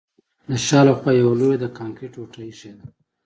د شا له خوا یوه لویه د کانکریټ ټوټه ایښې ده